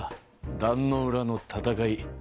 壇ノ浦の戦い。